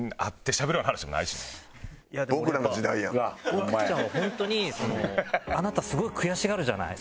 奥ちゃんは本当にあなたすごい悔しがるじゃない？